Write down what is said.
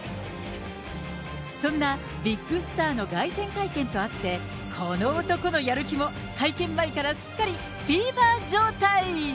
そんなビッグスターの凱旋会見とあって、この男のやる気も、会見前からすっかりフィーバー状態。